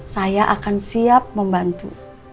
saya akan siap membantu